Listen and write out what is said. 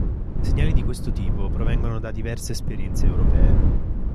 Segnali di questo tipo provengono da diverse esperienze europee.